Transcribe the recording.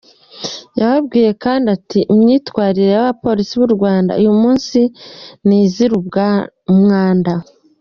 Yababwiye kandi ati :”Imyitwarire y’abapolisi b’u Rwanda, uyu munsi ni izira umwanda.